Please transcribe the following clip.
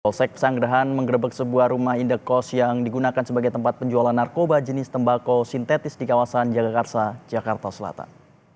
polsek pesanggerahan menggerebek sebuah rumah indekos yang digunakan sebagai tempat penjualan narkoba jenis tembakau sintetis di kawasan jagakarsa jakarta selatan